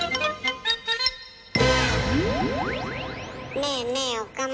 ねえねえ岡村。